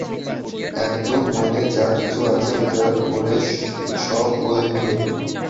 একদম মনে যা কিছু আছে উজাড় করে সব বলে ফেলুন!